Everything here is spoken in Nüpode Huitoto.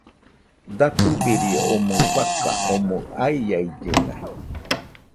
Datubirie omoi fakan omɨ aiaɨllena.